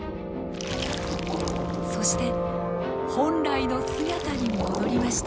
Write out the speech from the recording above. そして本来の姿に戻りました。